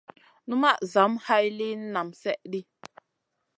Numaʼ zam hay liyn naam slèh ɗi.